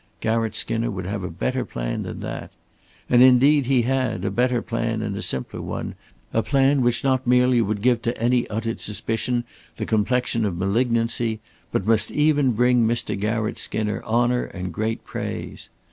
Garratt Skinner would have a better plan than that. And indeed he had, a better plan and a simpler one, a plan which not merely would give to any uttered suspicion the complexion of malignancy, but must even bring Mr. Garratt Skinner honor and great praise.